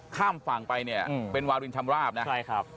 ข้ามฝั่งไปเนี่ยเป็นวารินชำราบนะใช่ครับ